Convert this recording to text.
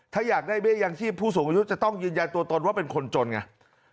ถ้าอยากได้เบี้ยยังชีพผู้สูงอายุจะต้องยืนยันตัวตนว่าเป็นคนจนไง